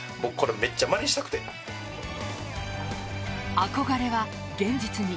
憧れは、現実に。